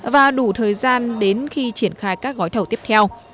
và đủ thời gian đến khi triển khai các gói thầu tiếp theo